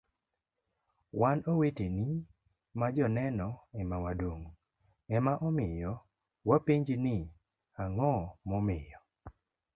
wan oweteni majoneno ema wadong' ema omiyo wapenji ni ang'o momiyo